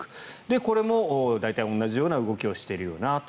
これも大体同じような動きをしているよなと。